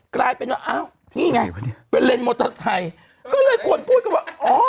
กลายเป็นว่าอ้าวนี่ไงเป็นเลนมอเตอร์ไซค์ก็เลยคนพูดกันว่าอ๋อ